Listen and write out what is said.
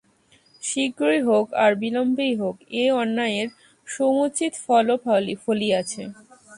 শীঘ্রই হউক আর বিলম্বেই হউক, এ অন্যায়ের সমুচিত ফলও ফলিয়াছে।